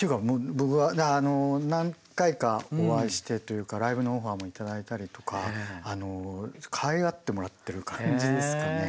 何回かお会いしてというかライブのオファーもいただいたりとかあのかわいがってもらってる感じですかね。